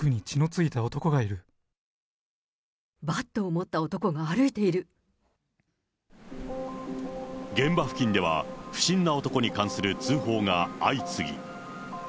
バットを持った男が歩いてい現場付近では、不審な男に関する通報が相次ぎ。